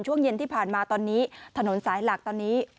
ช่วงเย็นที่ผ่านมาตอนนี้ถนนสายหลักตอนนี้